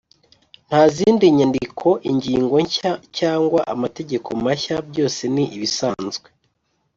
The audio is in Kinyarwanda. Nta zindi nyandiko ingingo nshya cyangwa amategeko mashya byose ni ibisanzwe